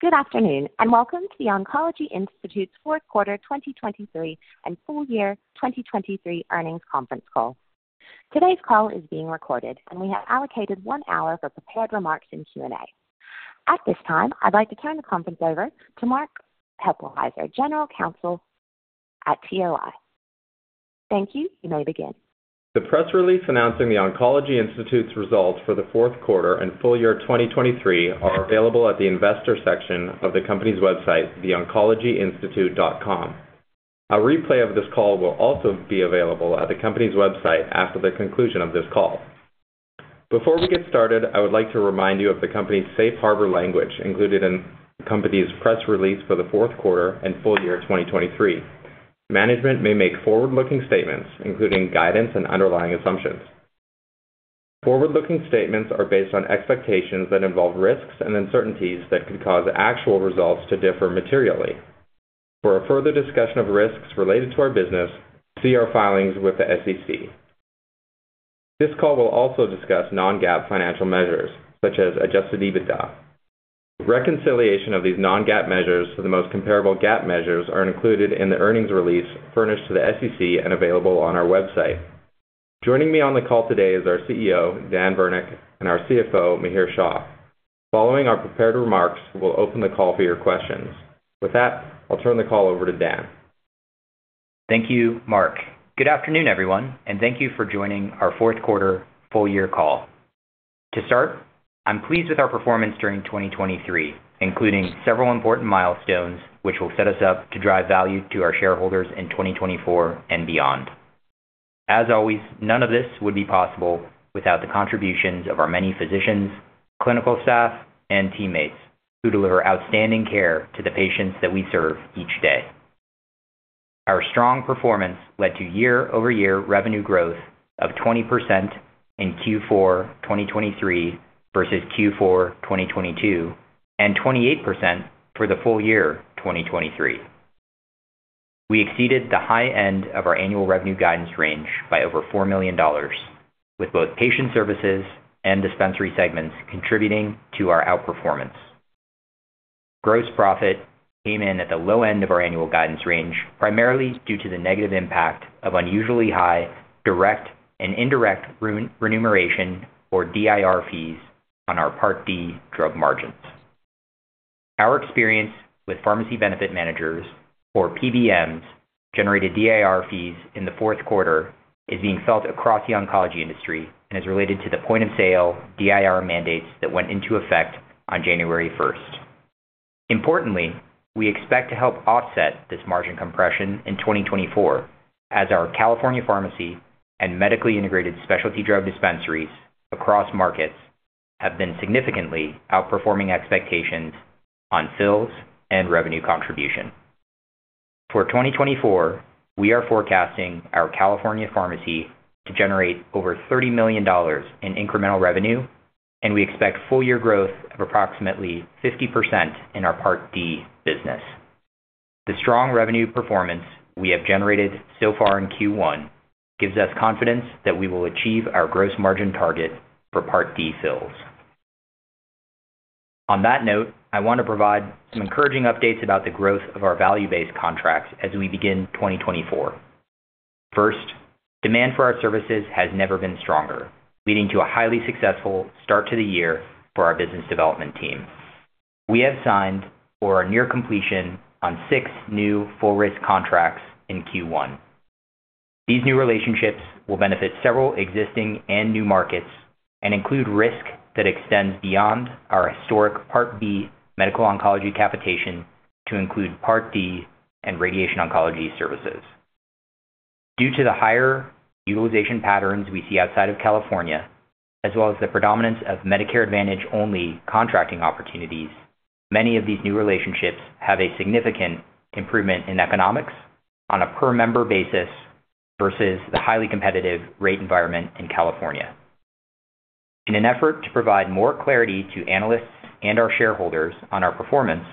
Good afternoon and welcome to The Oncology Institute's Fourth Quarter 2023 and Full Year 2023 Earnings Conference Call. Today's call is being recorded, and we have allocated one hour for prepared remarks and Q&A. At this time, I'd like to turn the conference over to Mark Hueppelsheuser, General Counsel at TOI. Thank you. You may begin. The press release announcing The Oncology Institute's results for the Fourth Quarter and Full Year 2023 is available at the Investor Section of the company's website, theoncologyinstitute.com. A replay of this call will also be available at the company's website after the conclusion of this call. Before we get started, I would like to remind you of the company's safe harbor language included in the company's press release for the fourth quarter and full year 2023. Management may make forward-looking statements, including guidance and underlying assumptions. Forward-looking statements are based on expectations that involve risks and uncertainties that could cause actual results to differ materially. For a further discussion of risks related to our business, see our filings with the SEC. This call will also discuss Non-GAAP financial measures, such as adjusted EBITDA. Reconciliation of these non-GAAP measures to the most comparable GAAP measures are included in the earnings release furnished to the SEC and available on our website. Joining me on the call today is our CEO, Daniel Virnich, and our CFO, Mihir Shah. Following our prepared remarks, we'll open the call for your questions. With that, I'll turn the call over to Dan. Thank you, Mark. Good afternoon, everyone, and thank you for joining our Fourth Quarter Full Year call. To start, I'm pleased with our performance during 2023, including several important milestones which will set us up to drive value to our shareholders in 2024 and beyond. As always, none of this would be possible without the contributions of our many physicians, clinical staff, and teammates who deliver outstanding care to the patients that we serve each day. Our strong performance led to year-over-year revenue growth of 20% in Q4 2023 versus Q4 2022 and 28% for the full year 2023. We exceeded the high end of our annual revenue guidance range by over $4 million, with both patient services and dispensary segments contributing to our outperformance. Gross profit came in at the low end of our annual guidance range primarily due to the negative impact of unusually high direct and indirect remuneration, or DIR, fees on our Part D drug margins. Our experience with pharmacy benefit managers, or PBMs, generated DIR fees in the fourth quarter is being felt across the oncology industry and is related to the point-of-sale DIR mandates that went into effect on January 1st. Importantly, we expect to help offset this margin compression in 2024, as our California pharmacy and medically integrated specialty drug dispensaries across markets have been significantly outperforming expectations on fills and revenue contribution. For 2024, we are forecasting our California pharmacy to generate over $30 million in incremental revenue, and we expect full year growth of approximately 50% in our Part D business. The strong revenue performance we have generated so far in Q1 gives us confidence that we will achieve our gross margin target for Part D fills. On that note, I want to provide some encouraging updates about the growth of our value-based contracts as we begin 2024. First, demand for our services has never been stronger, leading to a highly successful start to the year for our business development team. We have signed, or are near completion, on six new full-risk contracts in Q1. These new relationships will benefit several existing and new markets and include risk that extends beyond our historic Part B medical oncology capitation to include Part D and radiation oncology services. Due to the higher utilization patterns we see outside of California, as well as the predominance of Medicare Advantage-only contracting opportunities, many of these new relationships have a significant improvement in economics on a per-member basis versus the highly competitive rate environment in California. In an effort to provide more clarity to analysts and our shareholders on our performance,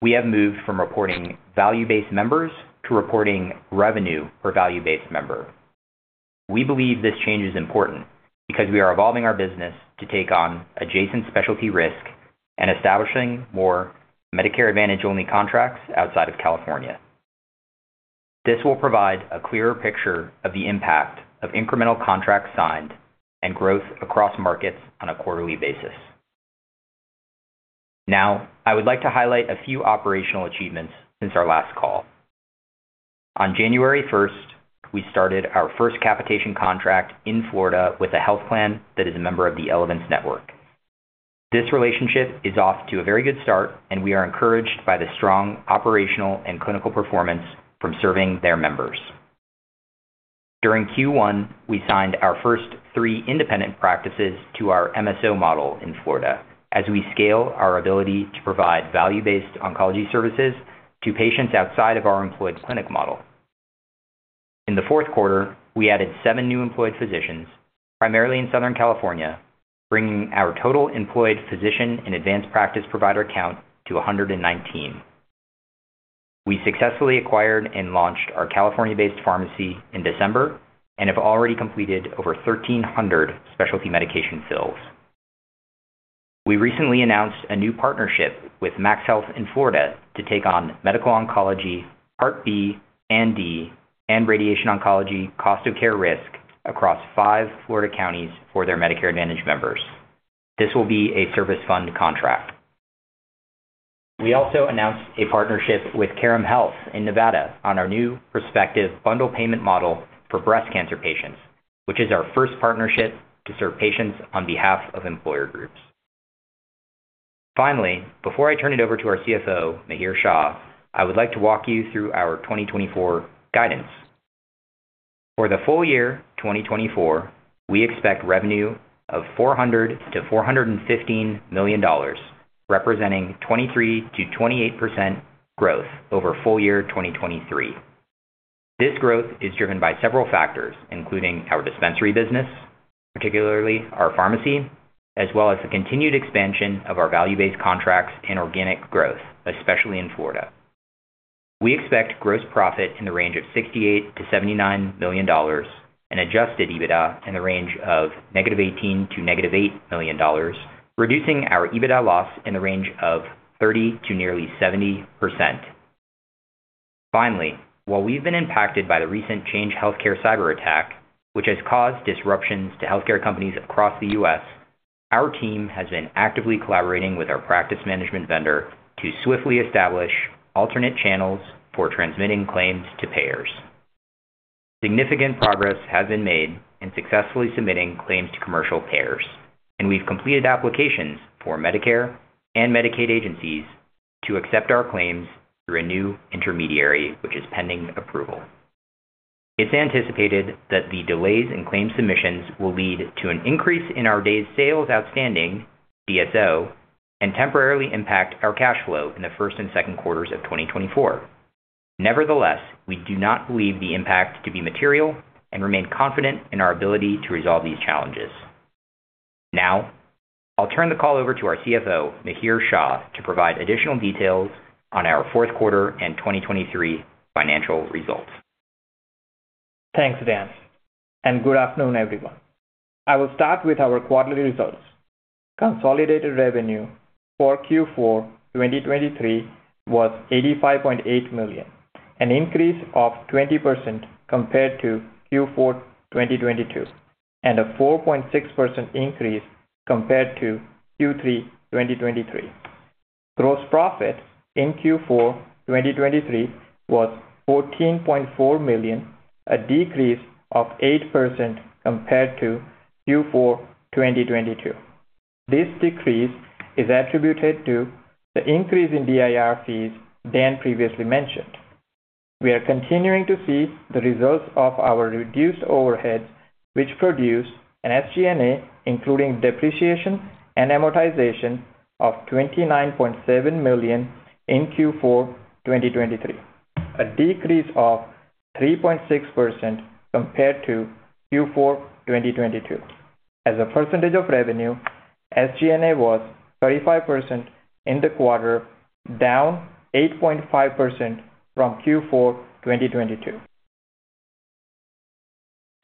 we have moved from reporting value-based members to reporting revenue per value-based member. We believe this change is important because we are evolving our business to take on adjacent specialty risk and establishing more Medicare Advantage-only contracts outside of California. This will provide a clearer picture of the impact of incremental contracts signed and growth across markets on a quarterly basis. Now, I would like to highlight a few operational achievements since our last call. On January 1st, we started our first capitation contract in Florida with a health plan that is a member of the Elevance Health network. This relationship is off to a very good start, and we are encouraged by the strong operational and clinical performance from serving their members. During Q1, we signed our first three independent practices to our MSO model in Florida as we scale our ability to provide value-based oncology services to patients outside of our employed clinic model. In the fourth quarter, we added seven new employed physicians, primarily in Southern California, bringing our total employed physician and advanced practice provider count to 119. We successfully acquired and launched our California-based pharmacy in December and have already completed over 1,300 specialty medication fills. We recently announced a new partnership with MaxHealth in Florida to take on medical oncology, Part B and D, and radiation oncology cost-of-care risk across five Florida counties for their Medicare Advantage members. This will be a full-risk contract. We also announced a partnership with Carrum Health in Nevada on our new prospective bundled payment model for breast cancer patients, which is our first partnership to serve patients on behalf of employer groups. Finally, before I turn it over to our CFO, Mihir Shah, I would like to walk you through our 2024 guidance. For the full year 2024, we expect revenue of $400-$415 million, representing 23%-28% growth over full year 2023. This growth is driven by several factors, including our dispensary business, particularly our pharmacy, as well as the continued expansion of our value-based contracts and organic growth, especially in Florida. We expect gross profit in the range of $68-$79 million and adjusted EBITDA in the range of -$18 million to -$8 million, reducing our EBITDA loss in the range of 30%-nearly 70%. Finally, while we've been impacted by the recent Change Healthcare cyberattack, which has caused disruptions to healthcare companies across the U.S., our team has been actively collaborating with our practice management vendor to swiftly establish alternate channels for transmitting claims to payers. Significant progress has been made in successfully submitting claims to commercial payers, and we've completed applications for Medicare and Medicaid agencies to accept our claims through a new intermediary, which is pending approval. It's anticipated that the delays in claim submissions will lead to an increase in our days sales outstanding, DSO, and temporarily impact our cash flow in the first and second quarters of 2024. Nevertheless, we do not believe the impact to be material and remain confident in our ability to resolve these challenges. Now, I'll turn the call over to our CFO, Mihir Shah, to provide additional details on our fourth quarter and 2023 financial results. Thanks, Dan, and good afternoon, everyone. I will start with our quarterly results. Consolidated revenue for Q4 2023 was $85.8 million, an increase of 20% compared to Q4 2022, and a 4.6% increase compared to Q3 2023. Gross profit in Q4 2023 was $14.4 million, a decrease of 8% compared to Q4 2022. This decrease is attributed to the increase in DIR fees Dan previously mentioned. We are continuing to see the results of our reduced overheads, which produced an SG&A, including depreciation and amortization, of $29.7 million in Q4 2023, a decrease of 3.6% compared to Q4 2022. As a percentage of revenue, SG&A was 35% in the quarter, down 8.5% from Q4 2022.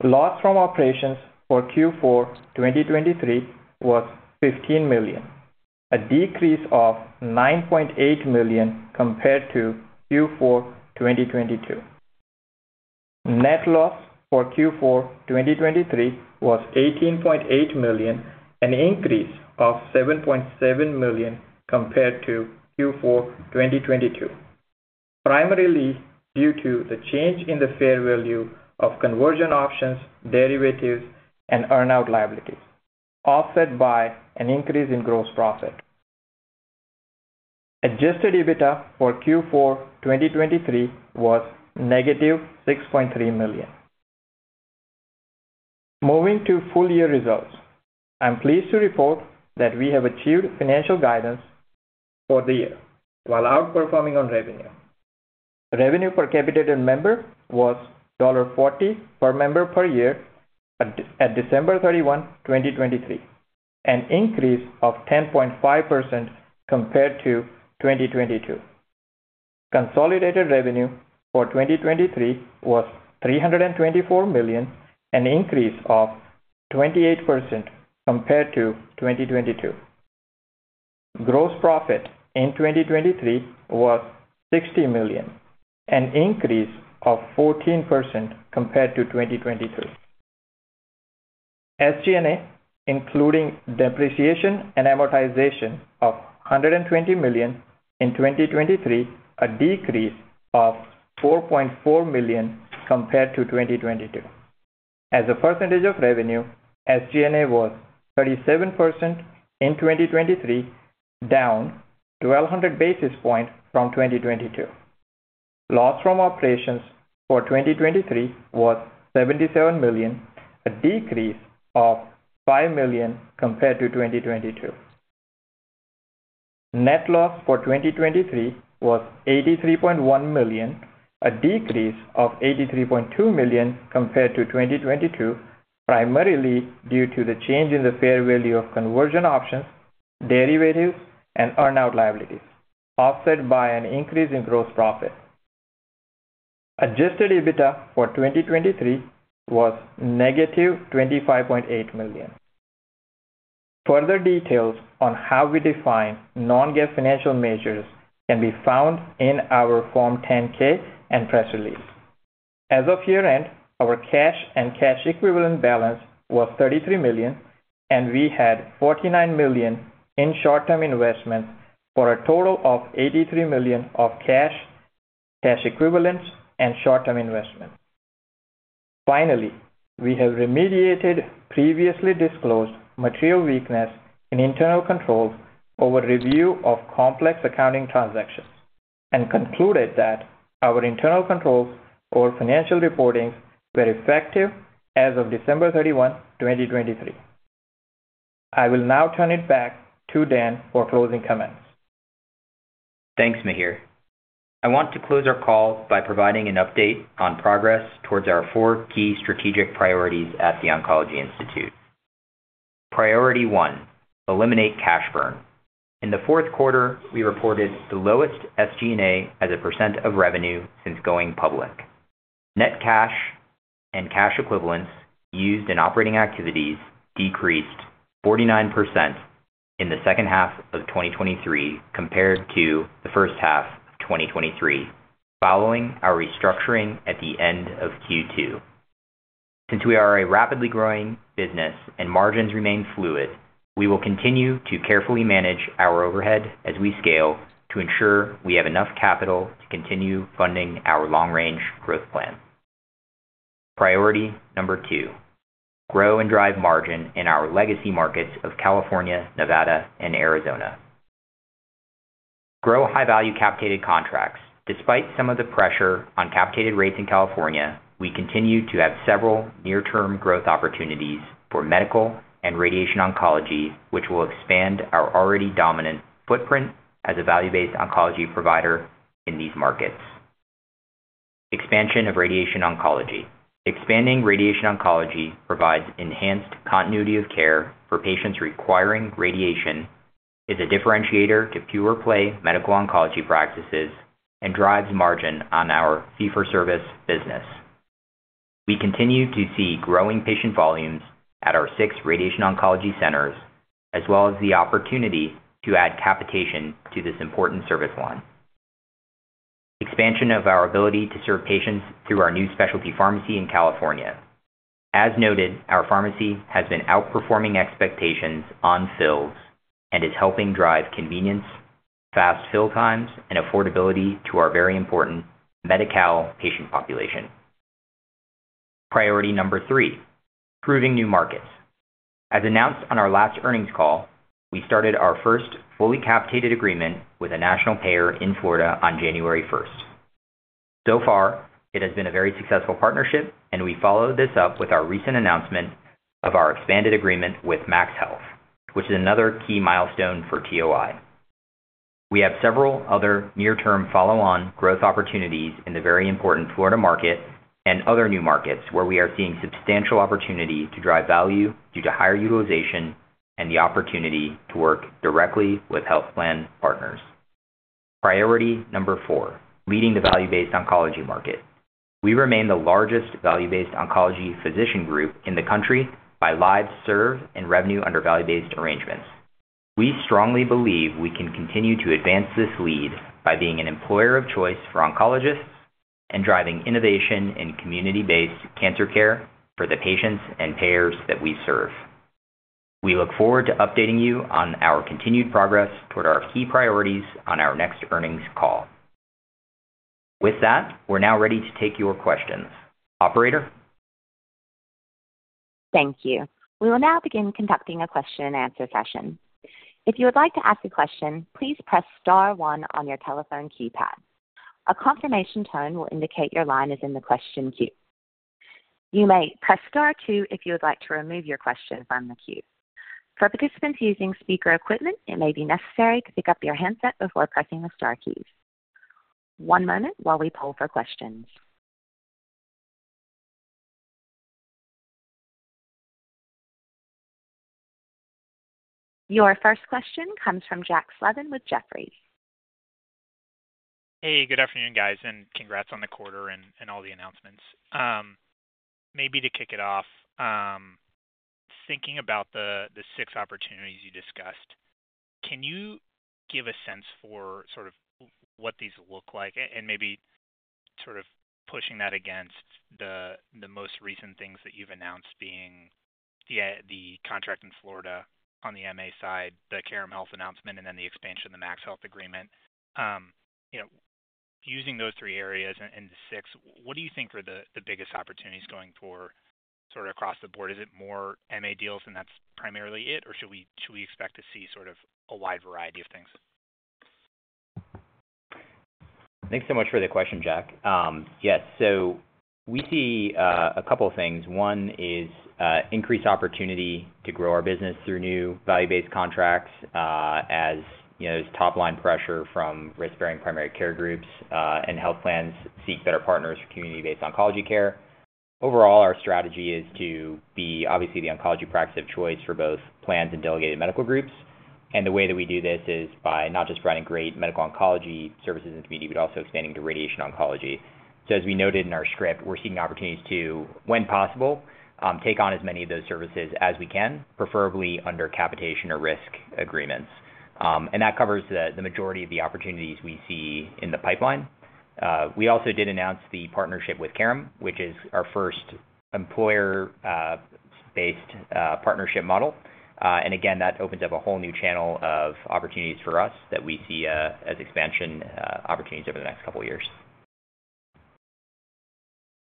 Loss from operations for Q4 2023 was $15 million, a decrease of $9.8 million compared to Q4 2022. Net loss for Q4 2023 was $18.8 million, an increase of $7.7 million compared to Q4 2022, primarily due to the change in the fair value of conversion options, derivatives, and earnout liabilities, offset by an increase in gross profit. Adjusted EBITDA for Q4 2023 was -$6.3 million. Moving to full year results, I'm pleased to report that we have achieved financial guidance for the year while outperforming on revenue. Revenue per capita per member was $40 per member per year at December 31, 2023, an increase of 10.5% compared to 2022. Consolidated revenue for 2023 was $324 million, an increase of 28% compared to 2022. Gross profit in 2023 was $60 million, an increase of 14% compared to 2022. SG&A, including depreciation and amortization, of $120 million in 2023, a decrease of $4.4 million compared to 2022. As a percentage of revenue, SG&A was 37% in 2023, down 1,200 basis points from 2022. Loss from operations for 2023 was $77 million, a decrease of $5 million compared to 2022. Net loss for 2023 was $83.1 million, a decrease of $83.2 million compared to 2022, primarily due to the change in the fair value of conversion options, derivatives, and earnout liabilities, offset by an increase in gross profit. Adjusted EBITDA for 2023 was -$25.8 million. Further details on how we define non-GAAP financial measures can be found in our Form 10-K and press release. As of year-end, our cash and cash equivalent balance was $33 million, and we had $49 million in short-term investments for a total of $83 million of cash, cash equivalents, and short-term investments. Finally, we have remediated previously disclosed material weakness in internal controls over review of complex accounting transactions and concluded that our internal controls over financial reporting were effective as of December 31, 2023. I will now turn it back to Dan for closing comments. Thanks, Mihir. I want to close our call by providing an update on progress towards our four key strategic priorities at The Oncology Institute. Priority one: eliminate cash burn. In the fourth quarter, we reported the lowest SG&A as a percent of revenue since going public. Net cash and cash equivalents used in operating activities decreased 49% in the second half of 2023 compared to the first half of 2023, following our restructuring at the end of Q2. Since we are a rapidly growing business and margins remain fluid, we will continue to carefully manage our overhead as we scale to ensure we have enough capital to continue funding our long-range growth plan. Priority number two: grow and drive margin in our legacy markets of California, Nevada, and Arizona. Grow high-value capitated contracts. Despite some of the pressure on capitated rates in California, we continue to have several near-term growth opportunities for medical and radiation oncology, which will expand our already dominant footprint as a value-based oncology provider in these markets. Expansion of radiation oncology. Expanding radiation oncology provides enhanced continuity of care for patients requiring radiation, is a differentiator to pure-play medical oncology practices, and drives margin on our fee-for-service business. We continue to see growing patient volumes at our 6 radiation oncology centers, as well as the opportunity to add capitation to this important service line. Expansion of our ability to serve patients through our new specialty pharmacy in California. As noted, our pharmacy has been outperforming expectations on fills and is helping drive convenience, fast fill times, and affordability to our very important Medi-Cal patient population. Priority number three: proving new markets. As announced on our last earnings call, we started our first fully capitated agreement with a national payer in Florida on January 1st. So far, it has been a very successful partnership, and we follow this up with our recent announcement of our expanded agreement with MaxHealth, which is another key milestone for TOI. We have several other near-term follow-on growth opportunities in the very important Florida market and other new markets where we are seeing substantial opportunity to drive value due to higher utilization and the opportunity to work directly with health plan partners. Priority number four: leading the value-based oncology market. We remain the largest value-based oncology physician group in the country by lives served and revenue under value-based arrangements. We strongly believe we can continue to advance this lead by being an employer of choice for oncologists and driving innovation in community-based cancer care for the patients and payers that we serve. We look forward to updating you on our continued progress toward our key priorities on our next earnings call. With that, we're now ready to take your questions. Operator? Thank you. We will now begin conducting a question-and-answer session. If you would like to ask a question, please press star one on your telephone keypad. A confirmation tone will indicate your line is in the question queue. You may press star two if you would like to remove your question from the queue. For participants using speaker equipment, it may be necessary to pick up your handset before pressing the star keys. One moment while we pull for questions. Your first question comes from Jack Slevin with Jefferies. Hey, good afternoon, guys, and congrats on the quarter and all the announcements. Maybe to kick it off, thinking about the six opportunities you discussed, can you give a sense for sort of what these look like and maybe sort of pushing that against the most recent things that you've announced being the contract in Florida on the MA side, the Carrum Health announcement, and then the expansion of the MaxHealth agreement? Using those three areas and the six, what do you think are the biggest opportunities going forward sort of across the board? Is it more MA deals, and that's primarily it, or should we expect to see sort of a wide variety of things? Thanks so much for the question, Jack. Yes, so we see a couple of things. One is increased opportunity to grow our business through new value-based contracts as there's top-line pressure from risk-bearing primary care groups and health plans seek better partners for community-based oncology care. Overall, our strategy is to be obviously the oncology practice of choice for both plans and delegated medical groups. The way that we do this is by not just providing great medical oncology services in Part B, but also expanding to radiation oncology. As we noted in our script, we're seeking opportunities to, when possible, take on as many of those services as we can, preferably under capitation or risk agreements. That covers the majority of the opportunities we see in the pipeline. We also did announce the partnership with Carrum, which is our first employer-based partnership model. And again, that opens up a whole new channel of opportunities for us that we see as expansion opportunities over the next couple of years.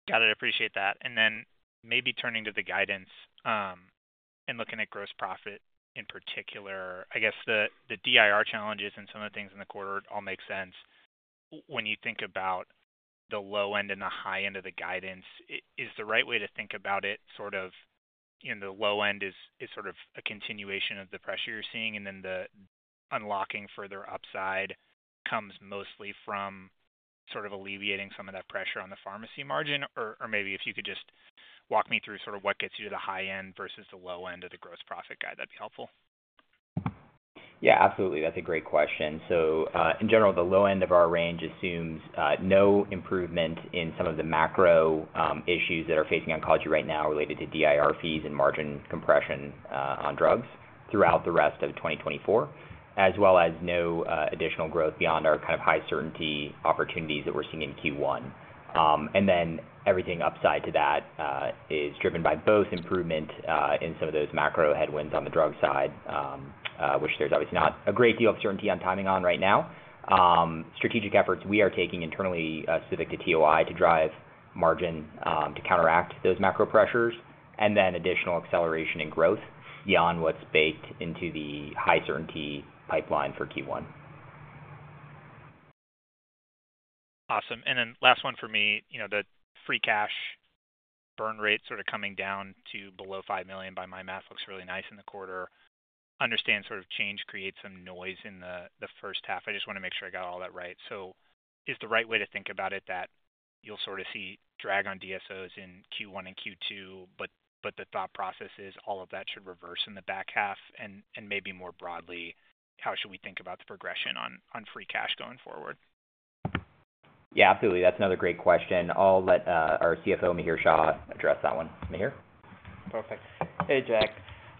Got it. Appreciate that. And then maybe turning to the guidance and looking at gross profit in particular. I guess the DIR challenges and some of the things in the quarter all make sense. When you think about the low end and the high end of the guidance, is the right way to think about it sort of the low end is sort of a continuation of the pressure you're seeing, and then the unlocking further upside comes mostly from sort of alleviating some of that pressure on the pharmacy margin? Or maybe if you could just walk me through sort of what gets you to the high end versus the low end of the gross profit guide, that'd be helpful. Yeah, absolutely. That's a great question. So in general, the low end of our range assumes no improvement in some of the macro issues that are facing oncology right now related to DIR fees and margin compression on drugs throughout the rest of 2024, as well as no additional growth beyond our kind of high certainty opportunities that we're seeing in Q1. And then everything upside to that is driven by both improvement in some of those macro headwinds on the drug side, which there's obviously not a great deal of certainty on timing on right now. Strategic efforts we are taking internally specific to TOI to drive margin to counteract those macro pressures, and then additional acceleration in growth beyond what's baked into the high certainty pipeline for Q1. Awesome. And then last one for me, the free cash burn rate sort of coming down to below $5 million by my math looks really nice in the quarter. Understand sort of change creates some noise in the first half. I just want to make sure I got all that right. So is the right way to think about it that you'll sort of see drag on DSOs in Q1 and Q2, but the thought process is all of that should reverse in the back half? And maybe more broadly, how should we think about the progression on free cash going forward? Yeah, absolutely. That's another great question. I'll let our CFO, Mihir Shah, address that one. Mihir? Perfect. Hey, Jack.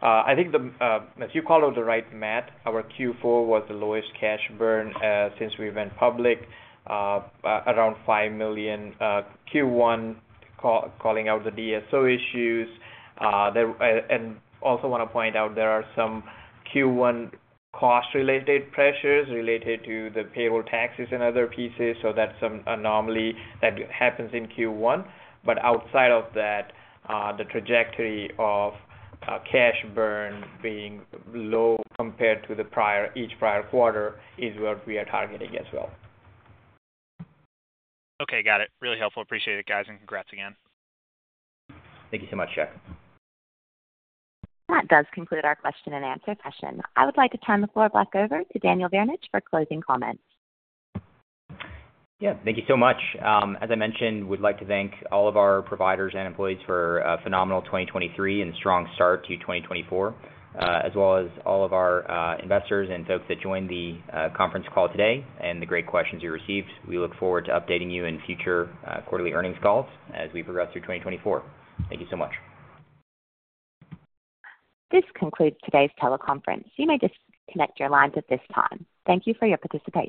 I think, as you called out the right, math, our Q4 was the lowest cash burn since we went public, around $5 million. Q1 calling out the DSO issues. And also want to point out there are some Q1 cost-related pressures related to the payroll taxes and other pieces. So that's an anomaly that happens in Q1. But outside of that, the trajectory of cash burn being low compared to each prior quarter is what we are targeting as well. Okay, got it. Really helpful. Appreciate it, guys, and congrats again. Thank you so much, Jack. That does conclude our question-and-answer session. I would like to turn the floor back over to Daniel Virnich for closing comments. Yeah, thank you so much. As I mentioned, we'd like to thank all of our providers and employees for a phenomenal 2023 and strong start to 2024, as well as all of our investors and folks that joined the conference call today and the great questions you received. We look forward to updating you in future quarterly earnings calls as we progress through 2024. Thank you so much. This concludes today's teleconference. You may disconnect your lines at this time. Thank you for your participation.